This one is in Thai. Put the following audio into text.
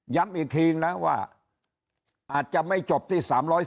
อีกทีนะว่าอาจจะไม่จบที่๓๔